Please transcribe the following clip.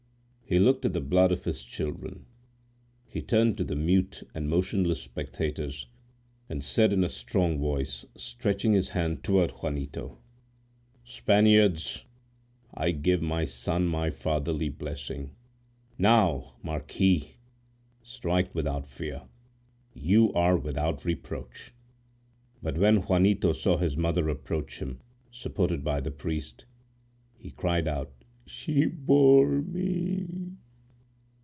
He looked at the blood of his children; he turned to the mute and motionless spectators, and said in a strong voice, stretching his hands toward Juanito,— "Spaniards! I give my son my fatherly blessing! Now, Marquis, strike, without fear—you are without reproach." But when Juanito saw his mother approach him, supported by the priest, he cried out: "She bore me!"